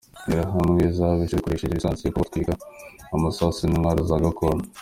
Interahamwe zabishe zikoresheje lisansi yo kubatwika, amasasu n’intwaro za gakondo.